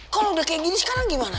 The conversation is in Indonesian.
kalau udah kayak gini sekarang gimana